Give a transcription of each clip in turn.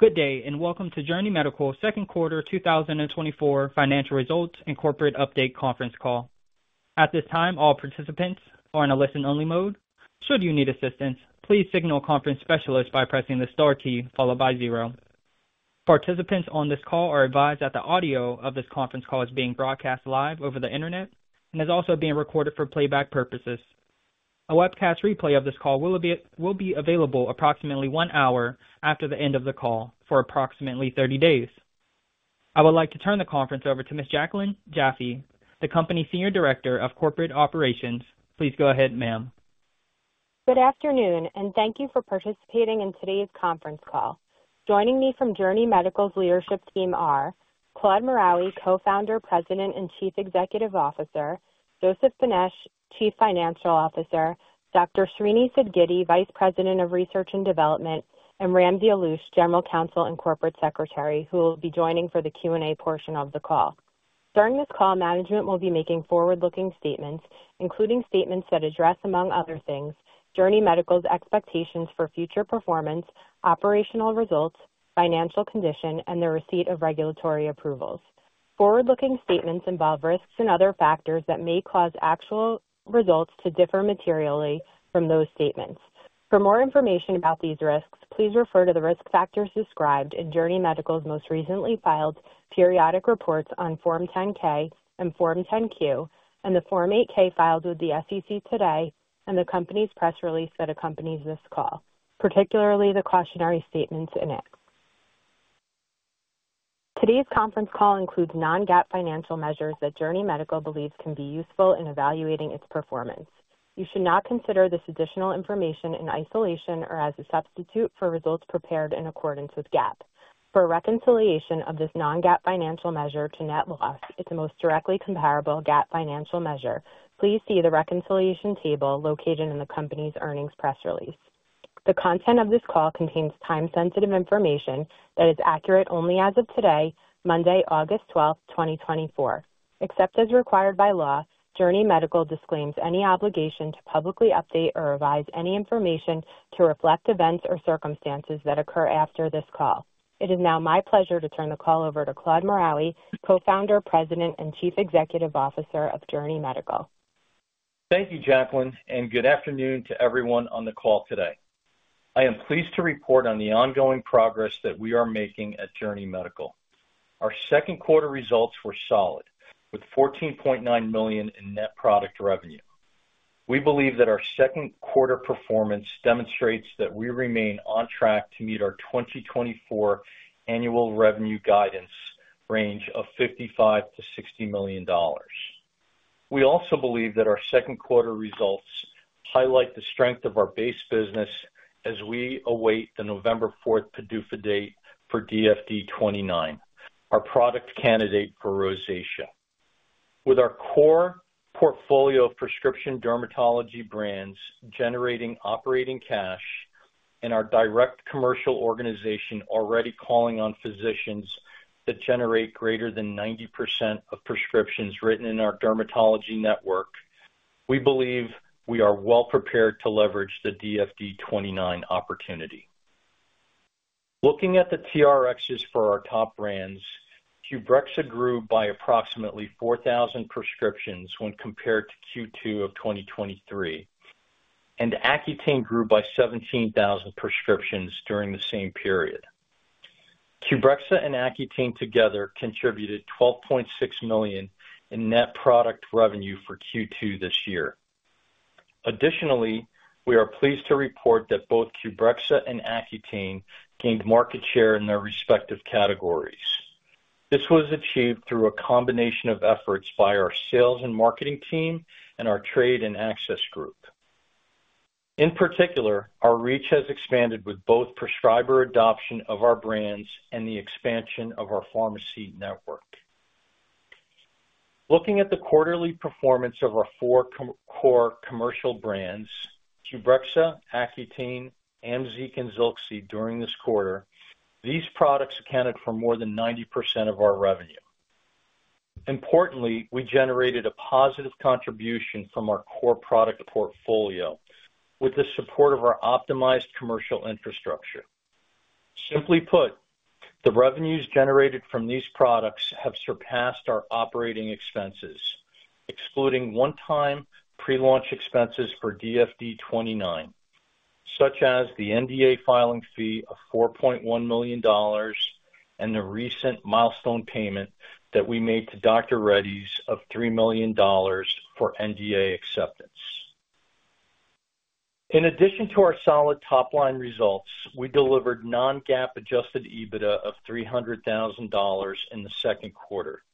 Good day, and welcome to Journey Medical's second quarter 2024 financial results and corporate update conference call. At this time, all participants are in a listen-only mode. Should you need assistance, please signal a conference specialist by pressing the star key followed by zero. Participants on this call are advised that the audio of this conference call is being broadcast live over the Internet and is also being recorded for playback purposes. A webcast replay of this call will be available approximately one hour after the end of the call for approximately 30 days. I would like to turn the conference over to Ms. Jaclyn Jaffee, the company's Senior Director of Corporate Operations. Please go ahead, ma'am. Good afternoon, and thank you for participating in today's conference call. Joining me from Journey Medical's leadership team are Claude Maraoui, Co-founder, President, and Chief Executive Officer; Joseph Benesch, Chief Financial Officer; Dr. Srinivas Sidgiddi, Vice President of Research and Development; and Ramsey Alloush, General Counsel and Corporate Secretary, who will be joining for the Q&A portion of the call. During this call, management will be making forward-looking statements, including statements that address, among other things, Journey Medical's expectations for future performance, operational results, financial condition, and the receipt of regulatory approvals. Forward-looking statements involve risks and other factors that may cause actual results to differ materially from those statements. For more information about these risks, please refer to the risk factors described in Journey Medical's most recently filed periodic reports on Form 10-K and Form 10-Q, and the Form 8-K filed with the SEC today, and the company's press release that accompanies this call, particularly the cautionary statements in it. Today's conference call includes non-GAAP financial measures that Journey Medical believes can be useful in evaluating its performance. You should not consider this additional information in isolation or as a substitute for results prepared in accordance with GAAP. For a reconciliation of this non-GAAP financial measure to net loss, it's the most directly comparable GAAP financial measure. Please see the reconciliation table located in the company's earnings press release. The content of this call contains time-sensitive information that is accurate only as of today, Monday, August 12th, 2024. Except as required by law, Journey Medical disclaims any obligation to publicly update or revise any information to reflect events or circumstances that occur after this call. It is now my pleasure to turn the call over to Claude Maraoui, Co-Founder, President, and Chief Executive Officer of Journey Medical. Thank you, Jaclyn, and good afternoon to everyone on the call today. I am pleased to report on the ongoing progress that we are making at Journey Medical. Our second quarter results were solid, with $14.9 million in net product revenue. We believe that our second quarter performance demonstrates that we remain on track to meet our 2024 annual revenue guidance range of $55 million-$60 million. We also believe that our second quarter results highlight the strength of our base business as we await the November fourth PDUFA date for DFD-29, our product candidate for rosacea. With our core portfolio of prescription dermatology brands generating operating cash and our direct commercial organization already calling on physicians that generate greater than 90% of prescriptions written in our dermatology network, we believe we are well prepared to leverage the DFD-29 opportunity. Looking at the TRx for our top brands, QBREXZA grew by approximately 4,000 prescriptions when compared to Q2 of 2023, and Accutane grew by 17,000 prescriptions during the same period. QBREXZA and Accutane together contributed $12.6 million in net product revenue for Q2 this year. Additionally, we are pleased to report that both QBREXZA and Accutane gained market share in their respective categories. This was achieved through a combination of efforts by our sales and marketing team and our trade and access group. In particular, our reach has expanded with both prescriber adoption of our brands and the expansion of our pharmacy network. Looking at the quarterly performance of our four core commercial brands, QBREXZA, Accutane, AMZEEQ, and ZILXI, during this quarter, these products accounted for more than 90% of our revenue. Importantly, we generated a positive contribution from our core product portfolio with the support of our optimized commercial infrastructure. Simply put, the revenues generated from these products have surpassed our operating expenses, excluding one-time pre-launch expenses for DFD-29, such as the NDA filing fee of $4.1 million and the recent milestone payment that we made to Dr. Reddy's of $3 million for NDA acceptance. In addition to our solid top-line results, we delivered non-GAAP Adjusted EBITDA of $300,000 in the second quarter.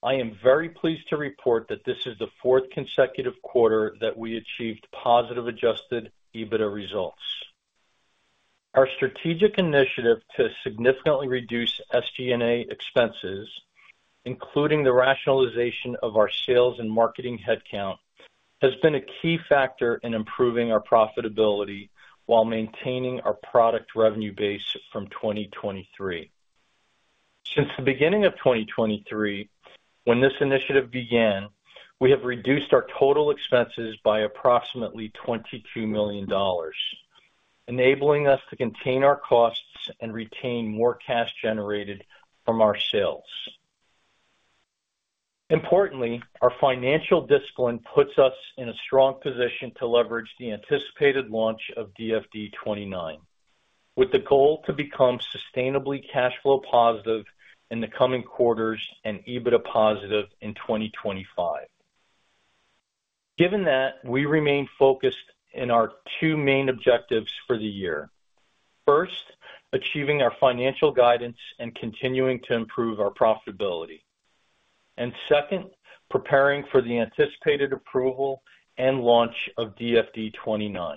I am very pleased to report that this is the fourth consecutive quarter that we achieved positive adjusted EBITDA results. Our strategic initiative to significantly reduce SG&A expenses, including the rationalization of our sales and marketing headcount, has been a key factor in improving our profitability while maintaining our product revenue base from 2023.... Since the beginning of 2023, when this initiative began, we have reduced our total expenses by approximately $22 million, enabling us to contain our costs and retain more cash generated from our sales. Importantly, our financial discipline puts us in a strong position to leverage the anticipated launch of DFD-29, with the goal to become sustainably cash flow positive in the coming quarters and EBITDA positive in 2025. Given that, we remain focused in our two main objectives for the year. First, achieving our financial guidance and continuing to improve our profitability. And second, preparing for the anticipated approval and launch of DFD-29.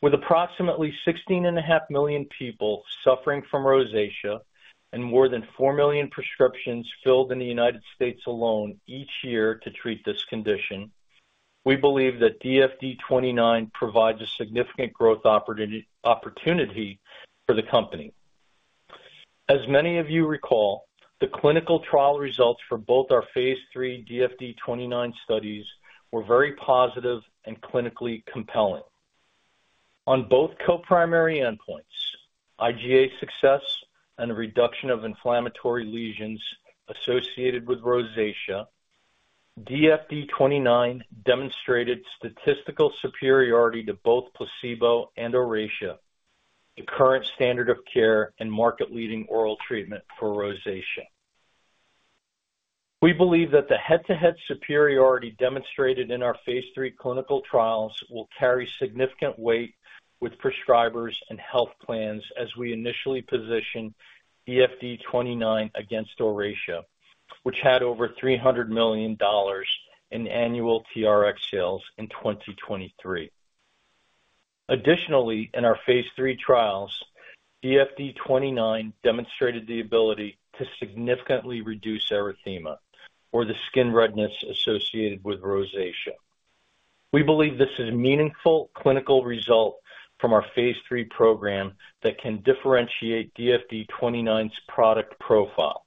With approximately 16.5 million people suffering from rosacea and more than 4 million prescriptions filled in the United States alone each year to treat this condition, we believe that DFD-29 provides a significant growth opportunity for the company. As many of you recall, the clinical trial results for both our phase III DFD-29 studies were very positive and clinically compelling. On both co-primary endpoints, IGA success and a reduction of inflammatory lesions associated with rosacea, DFD-29 demonstrated statistical superiority to both placebo and Oracea, the current standard of care and market-leading oral treatment for rosacea. We believe that the head-to-head superiority demonstrated in our phase III clinical trials will carry significant weight with prescribers and health plans as we initially position DFD-29 against Oracea, which had over $300 million in annual TRx sales in 2023. Additionally, in our phase III trials, DFD-29 demonstrated the ability to significantly reduce erythema, or the skin redness associated with rosacea. We believe this is a meaningful clinical result from our phase III program that can differentiate DFD-29's product profile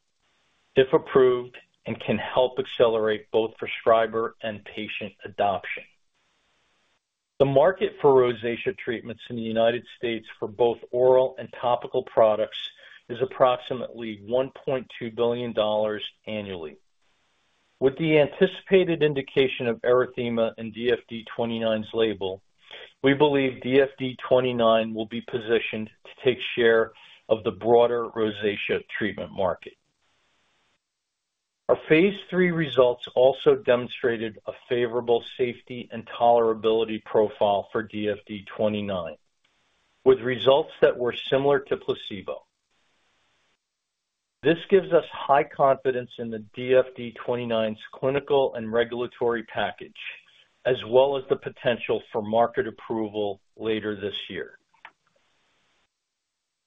if approved, and can help accelerate both prescriber and patient adoption. The market for rosacea treatments in the United States for both oral and topical products is approximately $1.2 billion annually. With the anticipated indication of erythema in DFD-29's label, we believe DFD-29 will be positioned to take share of the broader rosacea treatment market. Our phase III results also demonstrated a favorable safety and tolerability profile for DFD-29, with results that were similar to placebo. This gives us high confidence in the DFD-29's clinical and regulatory package, as well as the potential for market approval later this year.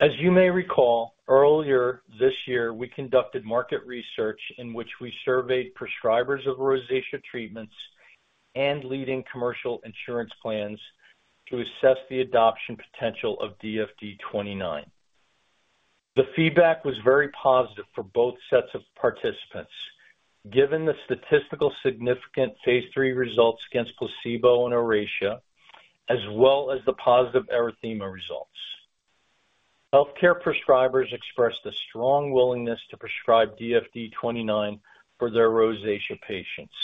As you may recall, earlier this year, we conducted market research in which we surveyed prescribers of rosacea treatments and leading commercial insurance plans to assess the adoption potential of DFD-29. The feedback was very positive for both sets of participants, given the statistically significant phase III results against placebo and Oracea, as well as the positive erythema results. Healthcare prescribers expressed a strong willingness to prescribe DFD-29 for their rosacea patients,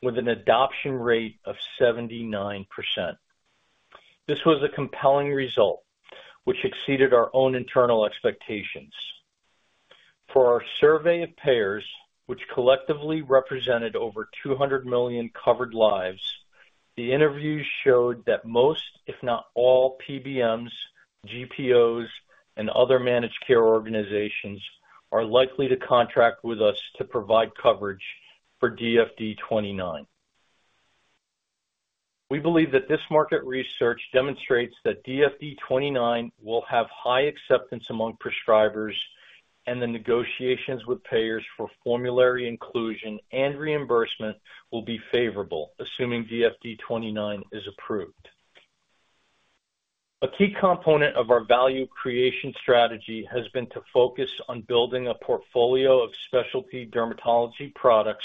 with an adoption rate of 79%. This was a compelling result, which exceeded our own internal expectations. For our survey of payers, which collectively represented over 200 million covered lives, the interviews showed that most, if not all, PBMs, GPOs, and other managed care organizations are likely to contract with us to provide coverage for DFD-29. We believe that this market research demonstrates that DFD-29 will have high acceptance among prescribers, and the negotiations with payers for formulary inclusion and reimbursement will be favorable, assuming DFD-29 is approved. A key component of our value creation strategy has been to focus on building a portfolio of specialty dermatology products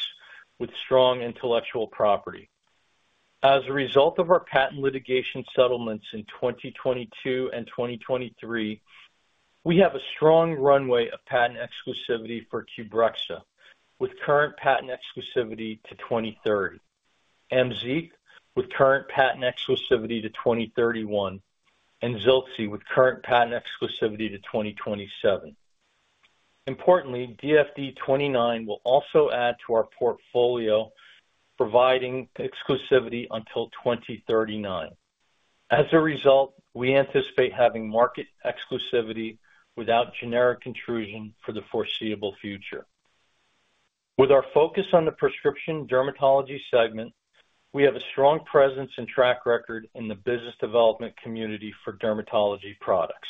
with strong intellectual property. As a result of our patent litigation settlements in 2022 and 2023, we have a strong runway of patent exclusivity for QBREXZA, with current patent exclusivity to 2030, AMZEEQ, with current patent exclusivity to 2031, and ZILXI, with current patent exclusivity to 2027. Importantly, DFD-29 will also add to our portfolio, providing exclusivity until 2039. As a result, we anticipate having market exclusivity without generic intrusion for the foreseeable future. With our focus on the prescription dermatology segment, we have a strong presence and track record in the business development community for dermatology products.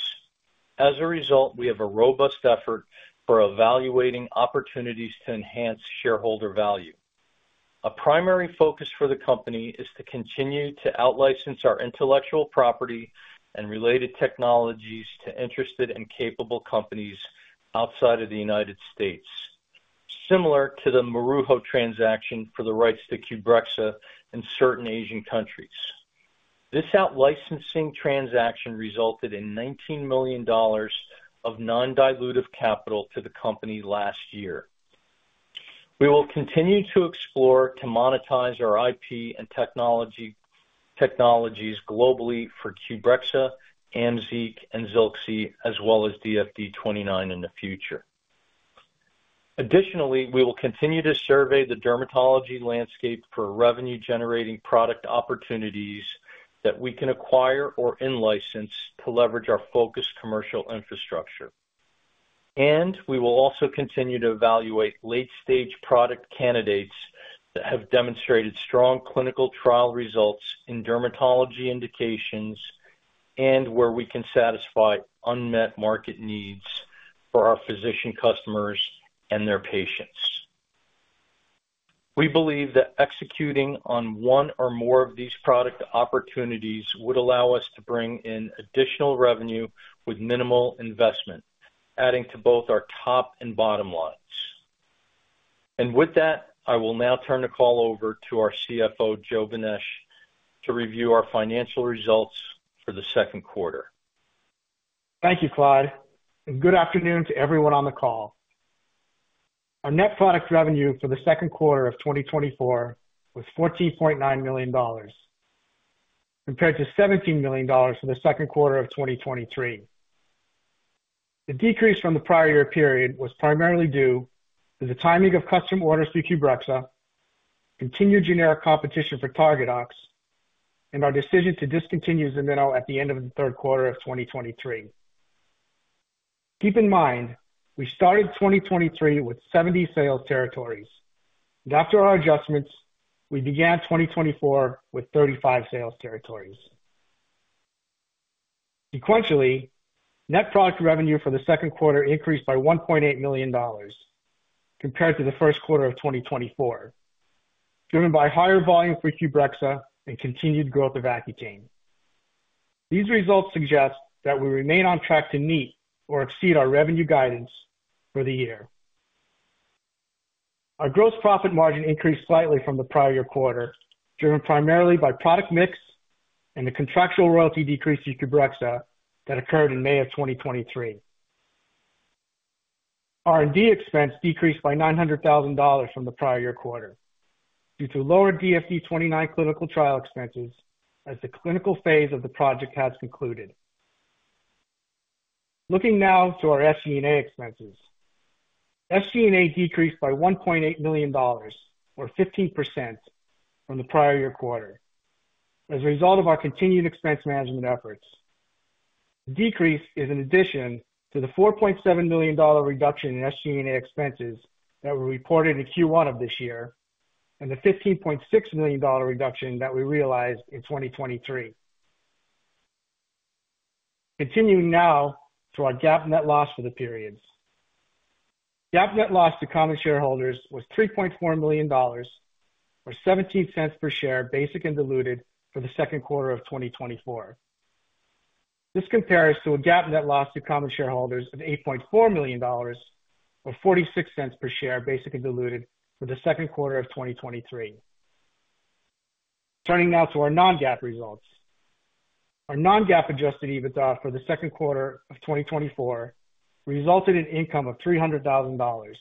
As a result, we have a robust effort for evaluating opportunities to enhance shareholder value. A primary focus for the company is to continue to out-license our intellectual property and related technologies to interested and capable companies outside of the United States, similar to the Maruho transaction for the rights to QBREXZA in certain Asian countries. This out-licensing transaction resulted in $19 million of non-dilutive capital to the company last year. We will continue to explore to monetize our IP and technologies globally for QBREXZA, AMZEEQ, and ZILXI, as well as DFD-29 in the future. Additionally, we will continue to survey the dermatology landscape for revenue-generating product opportunities that we can acquire or in-license to leverage our focused commercial infrastructure. And we will also continue to evaluate late-stage product candidates that have demonstrated strong clinical trial results in dermatology indications and where we can satisfy unmet market needs for our physician customers and their patients. We believe that executing on one or more of these product opportunities would allow us to bring in additional revenue with minimal investment, adding to both our top and bottom lines. And with that, I will now turn the call over to our CFO, Joseph Benesch, to review our financial results for the second quarter. Thank you, Claude, and good afternoon to everyone on the call. Our net product revenue for the second quarter of 2024 was $14.9 million, compared to $17 million for the second quarter of 2023. The decrease from the prior year period was primarily due to the timing of custom orders to QBREXZA, continued generic competition for Targadox, and our decision to discontinue Ximino at the end of the third quarter of 2023. Keep in mind, we started 2023 with 70 sales territories, and after our adjustments, we began 2024 with 35 sales territories. Sequentially, net product revenue for the second quarter increased by $1.8 million compared to the first quarter of 2024, driven by higher volume for QBREXZA and continued growth of Accutane. These results suggest that we remain on track to meet or exceed our revenue guidance for the year. Our gross profit margin increased slightly from the prior year quarter, driven primarily by product mix and the contractual royalty decrease in QBREXZA that occurred in May 2023. R&D expense decreased by $900,000 from the prior year quarter due to lower DFD-29 clinical trial expenses, as the clinical phase of the project has concluded. Looking now to our SG&A expenses. SG&A decreased by $1.8 million or 15% from the prior year quarter as a result of our continued expense management efforts. The decrease is an addition to the $4.7 million reduction in SG&A expenses that were reported in Q1 of this year and the $15.6 million reduction that we realized in 2023. Continuing now to our GAAP net loss for the periods. GAAP net loss to common shareholders was $3.4 million, or 17 cents per share, basic and diluted, for the second quarter of 2024. This compares to a GAAP net loss to common shareholders of $8.4 million, or $0.46 per share, basic and diluted, for the second quarter of 2023. Turning now to our non-GAAP results. Our non-GAAP Adjusted EBITDA for the second quarter of 2024 resulted in income of $300,000,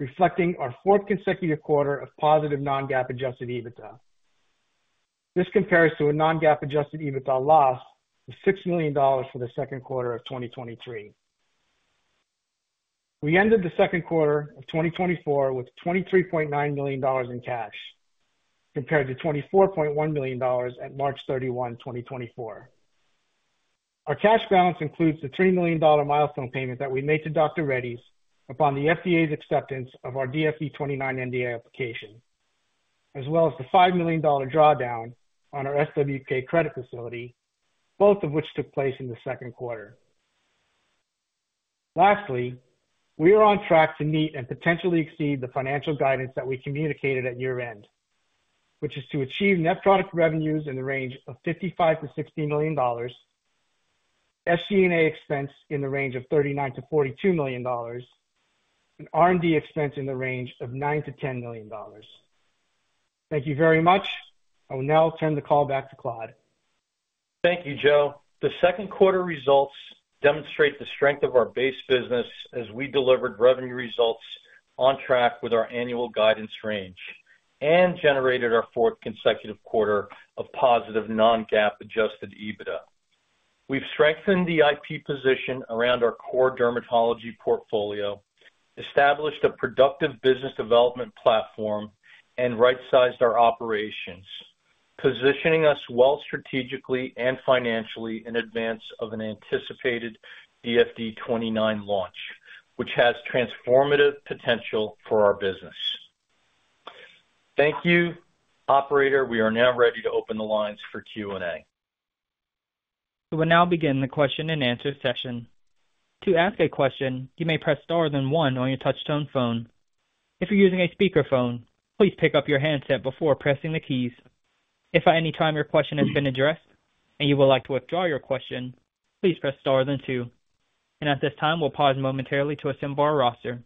reflecting our fourth consecutive quarter of positive non-GAAP Adjusted EBITDA. This compares to a non-GAAP Adjusted EBITDA loss of $6 million for the second quarter of 2023. We ended the second quarter of 2024 with $23.9 million in cash, compared to $24.1 million at March 31, 2024. Our cash balance includes the $3 million milestone payment that we made to Dr. Reddy's upon the FDA's acceptance of our DFD-29 NDA application, as well as the $5 million drawdown on our SWK credit facility, both of which took place in the second quarter. Lastly, we are on track to meet and potentially exceed the financial guidance that we communicated at year-end, which is to achieve net product revenues in the range of $55 million-$60 million, SG&A expense in the range of $39 million-$42 million, and R&D expense in the range of $9 million-$10 million. Thank you very much. I will now turn the call back to Claude. Thank you, Joe. The second quarter results demonstrate the strength of our base business as we delivered revenue results on track with our annual guidance range and generated our fourth consecutive quarter of positive non-GAAP Adjusted EBITDA. We've strengthened the IP position around our core dermatology portfolio, established a productive business development platform, and right-sized our operations, positioning us well strategically and financially in advance of an anticipated DFD-29 launch, which has transformative potential for our business. Thank you, operator. We are now ready to open the lines for Q&A. We will now begin the question and answer session. To ask a question, you may press star, then one on your touchtone phone. If you're using a speakerphone, please pick up your handset before pressing the keys. If at any time your question has been addressed and you would like to withdraw your question, please press star, then two. And at this time, we'll pause momentarily to assemble our roster.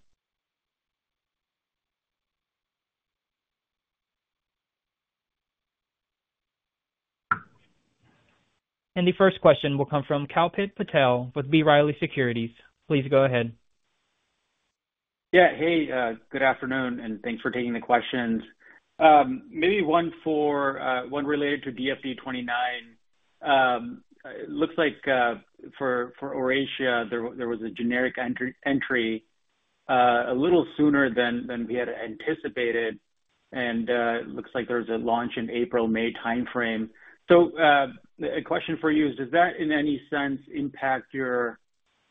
And the first question will come from Kalpit Patel with B. Riley Securities. Please go ahead. Yeah. Hey, good afternoon, and thanks for taking the questions. Maybe one for, one related to DFD-29. It looks like, for Oracea, there was a generic entry a little sooner than we had anticipated, and it looks like there's a launch in April-May timeframe. So, a question for you is, does that in any sense impact your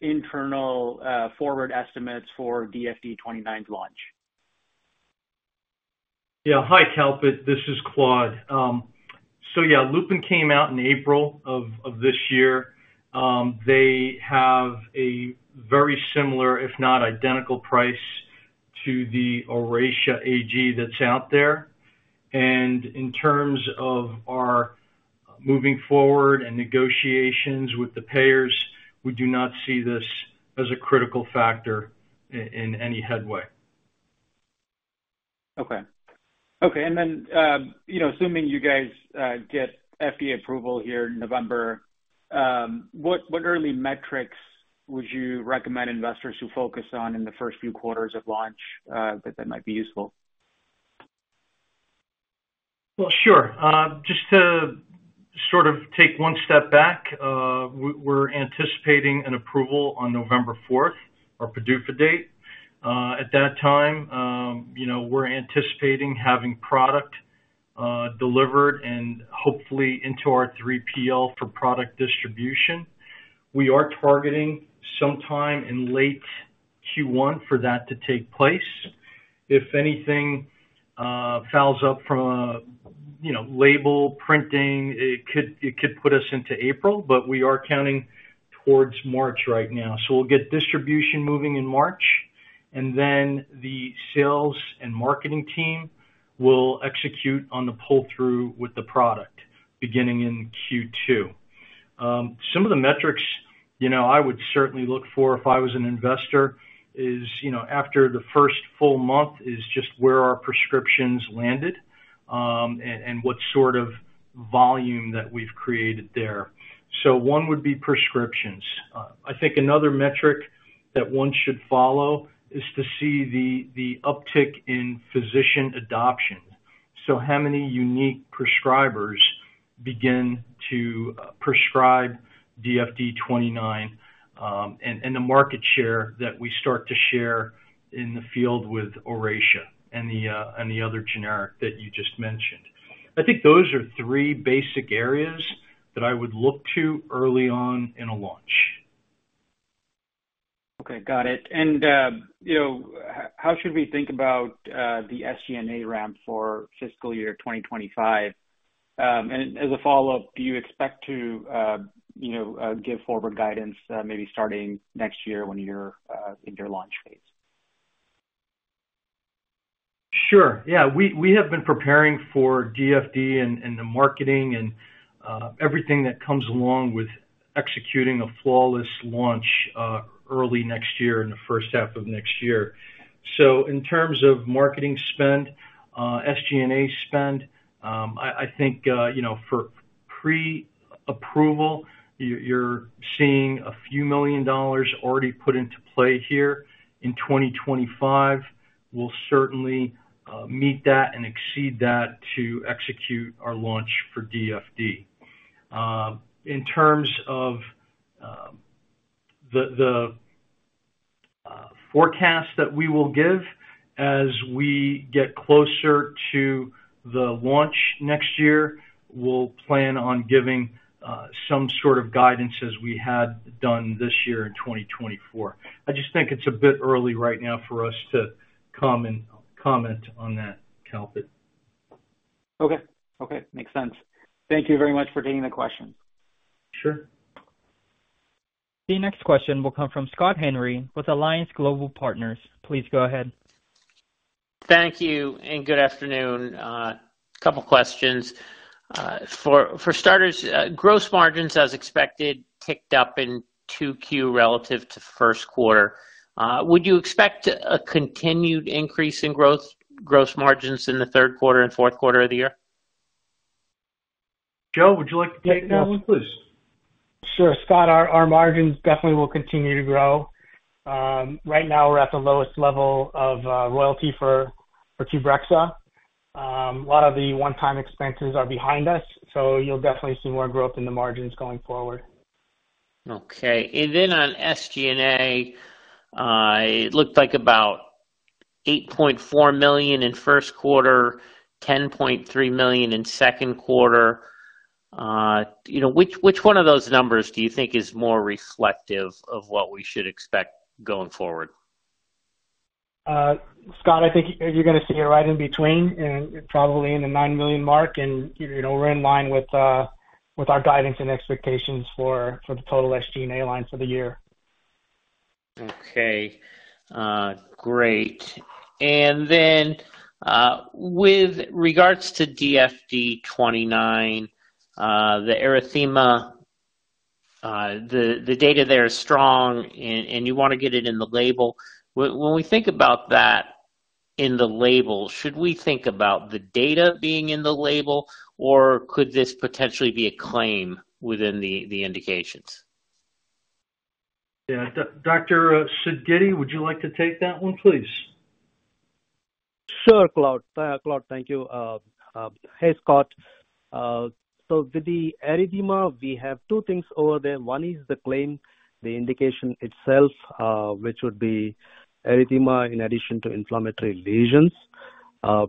internal forward estimates for DFD-29's launch? Yeah. Hi, Kalpit. This is Claude. So yeah, Lupin came out in April of this year. They have a very similar, if not identical, price to the Oracea AG that's out there. And in terms of our moving forward and negotiations with the payers, we do not see this as a critical factor in any headway. Okay. Okay, and then, you know, assuming you guys get FDA approval here in November, what early metrics would you recommend investors focus on in the first few quarters of launch, that might be useful? Well, sure. Just to sort of take one step back, we're anticipating an approval on November fourth, our PDUFA date. At that time, you know, we're anticipating having product delivered and hopefully into our 3PL for product distribution. We are targeting sometime in late Q1 for that to take place. If anything fouls up from a, you know, label printing, it could put us into April, but we are counting towards March right now. So we'll get distribution moving in March, and then the sales and marketing team will execute on the pull-through with the product, beginning in Q2. Some of the metrics, you know, I would certainly look for if I was an investor, is, you know, after the first full month, is just where our prescriptions landed, and what sort of volume that we've created there. So one would be prescriptions. I think another metric that one should follow is to see the uptick in physician adoption. So how many unique prescribers begin to prescribe DFD-29, and the market share that we start to share in the field with Oracea and the other generic that you just mentioned. I think those are three basic areas that I would look to early on in a launch. Okay, got it. And, you know, how should we think about the SG&A ramp for fiscal year 2025? And as a follow-up, do you expect to, you know, give forward guidance, maybe starting next year when you're in your launch phase? Sure. Yeah, we have been preparing for DFD and the marketing and everything that comes along with executing a flawless launch early next year, in the first half of next year. So in terms of marketing spend, SG&A spend, I think you know, for pre-approval, you're seeing a few million dollars already put into play here. In 2025, we'll certainly meet that and exceed that to execute our launch for DFD. In terms of the forecast that we will give as we get closer to the launch next year, we'll plan on giving some sort of guidance as we had done this year in 2024. I just think it's a bit early right now for us to comment on that, Kalpit. Okay. Okay, makes sense. Thank you very much for taking the question. Sure. The next question will come from Scott Henry with Alliance Global Partners. Please go ahead. Thank you, and good afternoon. A couple questions. For starters, gross margins, as expected, ticked up in 2Q relative to first quarter. Would you expect a continued increase in growth, gross margins in the third quarter and fourth quarter of the year? Joe, would you like to take that one? Yeah, please. Sure, Scott, our margins definitely will continue to grow. Right now we're at the lowest level of royalty for QBREXZA. A lot of the one-time expenses are behind us, so you'll definitely see more growth in the margins going forward. Okay. And then on SG&A, it looked like about $8.4 million in first quarter, $10.3 million in second quarter. You know, which, which one of those numbers do you think is more reflective of what we should expect going forward? Scott, I think you're gonna see it right in between, and probably in the $9 million mark, and, you know, we're in line with our guidance and expectations for the total SG&A line for the year. Okay. Great. And then, with regards to DFD-29, the erythema, the data there is strong and you want to get it in the label. When we think about that in the label, should we think about the data being in the label, or could this potentially be a claim within the indications? Yeah. Dr. Sidgiddi, would you like to take that one, please? Sure, Claude. Claude, thank you. Hey, Scott. So with the erythema, we have two things over there. One is the claim, the indication itself, which would be erythema in addition to inflammatory lesions.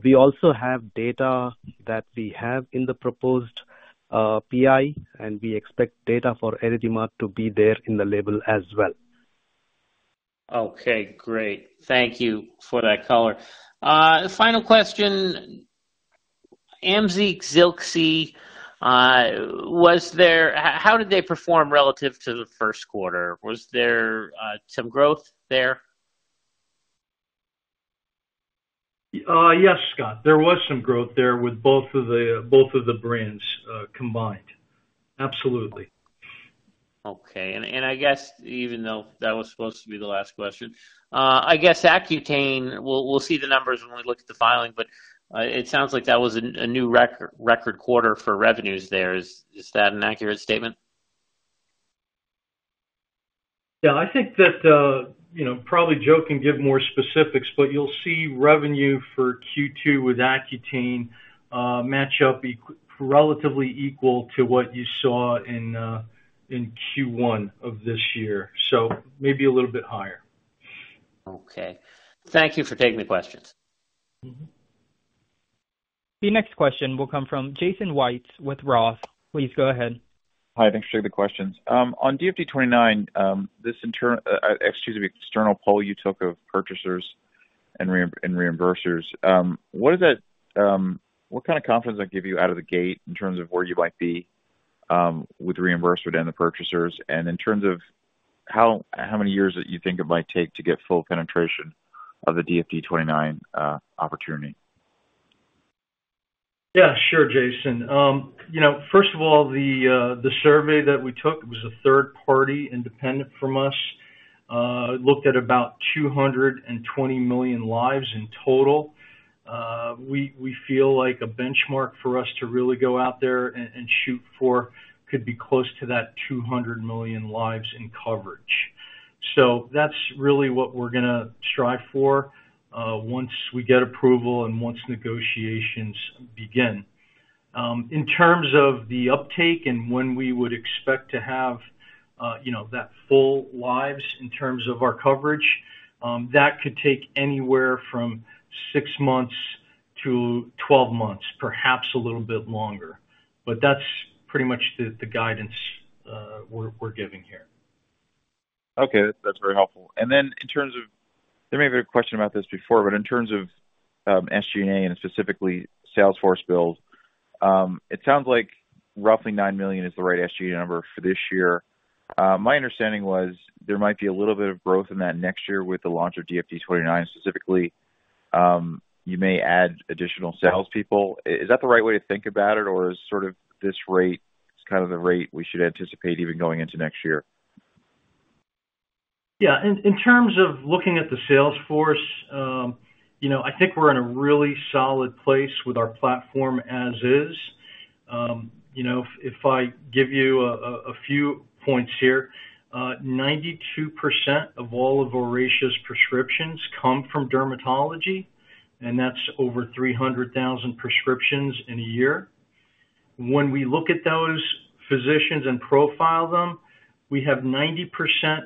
We also have data that we have in the proposed PI, and we expect data for erythema to be there in the label as well. Okay, great. Thank you for that color. Final question: AMZEEQ, ZILXI, was there... How did they perform relative to the first quarter? Was there some growth there? Yes, Scott, there was some growth there with both of the brands, combined. Absolutely. Okay. And I guess even though that was supposed to be the last question, I guess Accutane, we'll see the numbers when we look at the filing, but it sounds like that was a new record quarter for revenues there. Is that an accurate statement? Yeah, I think that, you know, probably Joe can give more specifics, but you'll see revenue for Q2 with Accutane match up relatively equal to what you saw in Q1 of this year, so maybe a little bit higher. Okay. Thank you for taking the questions. Mm-hmm. The next question will come from Jason Wittes with Roth. Please go ahead. Hi, thanks for taking the questions. On DFD-29, this external poll you took of purchasers and reimbursers, what does that, what kind of confidence does that give you out of the gate in terms of where you might be, with the reimbursers and the purchasers? And in terms of how, how many years that you think it might take to get full penetration of the DFD-29, opportunity? Yeah, sure, Jason. You know, first of all, the survey that we took, it was a third party, independent from us, it looked at about 220 million lives in total. We feel like a benchmark for us to really go out there and shoot for, could be close to that 200 million lives in coverage. So that's really what we're gonna strive for, once we get approval and once negotiations begin. In terms of the uptake and when we would expect to have, you know, that full lives in terms of our coverage, that could take anywhere from 6 months to 12 months, perhaps a little bit longer. But that's pretty much the guidance we're giving here. Okay, that's very helpful. Then in terms of... There may have been a question about this before, but in terms of SG&A and specifically sales force build, it sounds like roughly $9 million is the right SG number for this year. My understanding was there might be a little bit of growth in that next year with the launch of DFD-29. Specifically, you may add additional salespeople. Is that the right way to think about it, or is sort of this rate kind of the rate we should anticipate even going into next year? Yeah. In terms of looking at the sales force, you know, I think we're in a really solid place with our platform as is. You know, if I give you a few points here, 92% of all of Oracea's prescriptions come from dermatology, and that's over 300,000 prescriptions in a year. When we look at those physicians and profile them, we have 90%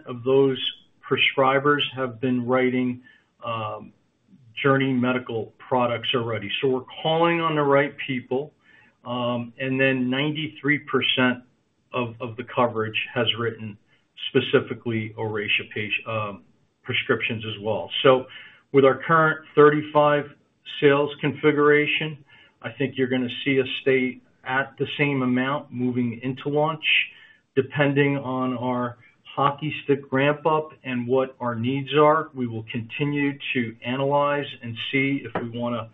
of those prescribers have been writing Journey Medical products already. So we're calling on the right people. And then 93% of the coverage has written specifically Oracea prescriptions as well. So with our current 35 sales configuration, I think you're gonna see us stay at the same amount moving into launch. Depending on our hockey stick ramp up and what our needs are, we will continue to analyze and see if we wanna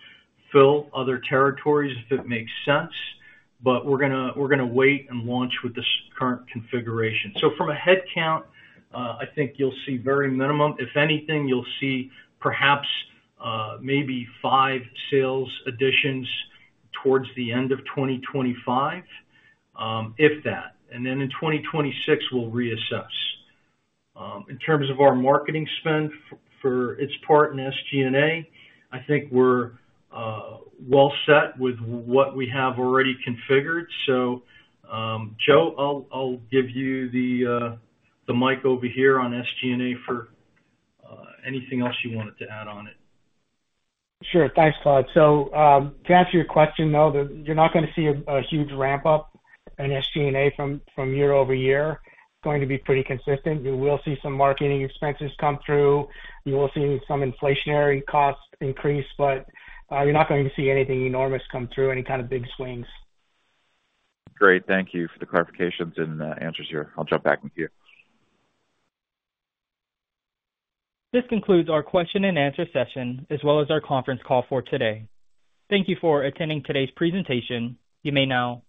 fill other territories, if it makes sense, but we're gonna wait and launch with this current configuration. So from a headcount, I think you'll see very minimum. If anything, you'll see perhaps maybe five sales additions towards the end of 2025, if that. And then in 2026, we'll reassess. In terms of our marketing spend for its part in SG&A, I think we're well set with what we have already configured. So, Joe, I'll give you the mic over here on SG&A for anything else you wanted to add on it. Sure. Thanks, Claude. So, to answer your question, though, that you're not gonna see a huge ramp up in SG&A from year over year. It's going to be pretty consistent. You will see some marketing expenses come through. You will see some inflationary costs increase, but you're not going to see anything enormous come through, any kind of big swings. Great. Thank you for the clarifications and, answers here. I'll jump back with you. This concludes our question and answer session, as well as our conference call for today. Thank you for attending today's presentation. You may now disconnect.